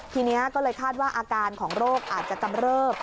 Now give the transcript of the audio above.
ทีนี้ก็เลยคาดว่าอาการของโรคอาจจะกำเริบ